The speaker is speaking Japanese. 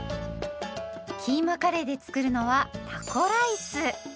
キーマカレーで作るのはタコライス。